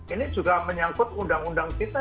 ini juga menyangkut undang undang kita